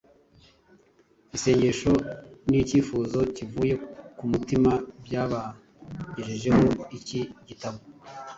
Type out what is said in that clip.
Isengesho n’icyifuzo kivuye ku mutima by’ababagejejeho iki gitabo